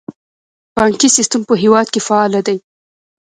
بانکي سیستم په هیواد کې فعال دی